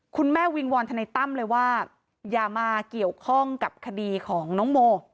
วิงวอนทนายตั้มเลยว่าอย่ามาเกี่ยวข้องกับคดีของน้องโม